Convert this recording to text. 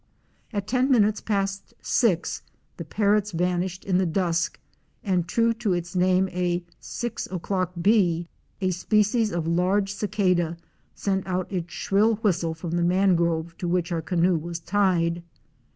At ten minutes past six the parrots vanished in the dusk and true to its name a "six o'clock bee," a species of large cicada, sent out its shrill whistle from the mangrove to which our canoe was tied.